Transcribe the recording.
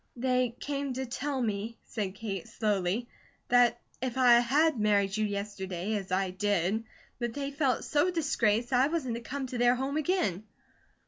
"They came to tell me," said Kate, slowly, "that if I had married you yesterday, as I did, that they felt so disgraced that I wasn't to come to their home again."